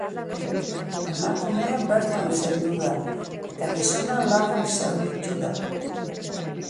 Emakumea bertan zendu da, eta gizona larri zauritu da.